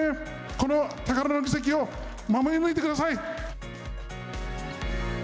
この宝の議席を守り抜いてください。